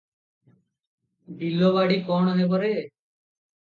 ବିଲବାଡ଼ି କ'ଣ ହବ ରେ?